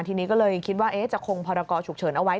ทีนี้ก็เลยคิดว่าจะคงพรกรฉุกเฉินเอาไว้